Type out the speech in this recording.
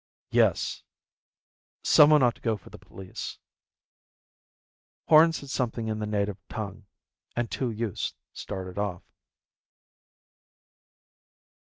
"Yes. Someone ought to go for the police." Horn said something in the native tongue, and two youths started off.